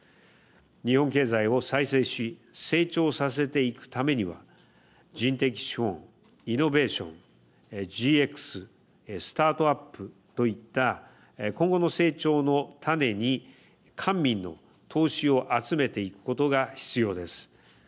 日本経済を再生し成長させていくためには人的資本、イノベーションＧＸ、スタートアップといった今後の成長の種に官民の投資を集めていくことが必要です。